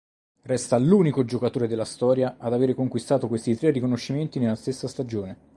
Resta l'unico giocatore della storia ad avere conquistato questi tre riconoscimenti nella stessa stagione.